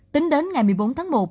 tính đến ngày một mươi bốn tháng một